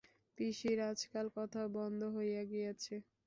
পিসির আজকাল কথা বন্ধ হইয়া গিয়াছে।